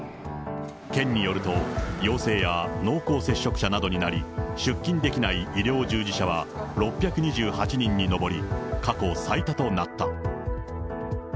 県によると、陽性や濃厚接触者などになり、出勤できない医療従事者は６２８人に上り、過去最多となった。